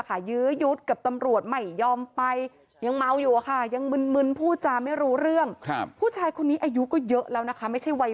อายุตั้ง๕๒แล้ว